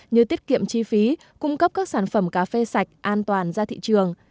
như tiết kiệm chi phí cung cấp các sản phẩm cà phê sạch an toàn ra thị trường